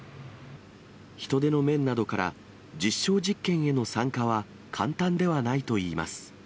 人手の面などから実証実験への参加は簡単ではないといいます。